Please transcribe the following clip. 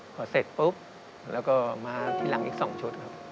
พอเสร็จปุ๊บแล้วก็มาที่หลังอีก๒ชุดครับ